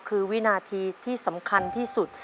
คือวินาทีที่สำคัญที่สุด